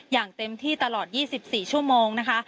อย่างเต็มที่ตลอด๒๔ชั่วโมงนะคะ